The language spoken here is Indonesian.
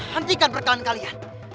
hentikan perkaan kalian